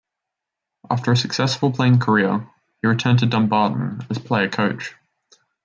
After a successful playing career, he returned to Dumbarton as player-coach.